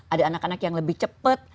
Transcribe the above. ada anak anak yang lebih cepat